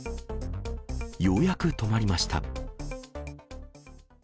ようやく止まりました。